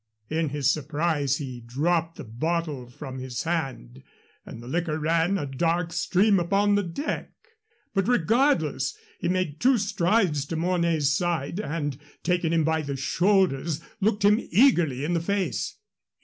In his surprise he dropped the bottle from his hand, and the liquor ran a dark stream upon the deck; but, regardless, he made two strides to Mornay's side, and, taking him by the shoulders, looked him eagerly in the face.